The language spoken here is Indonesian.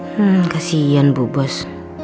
hmm kasihan bu bos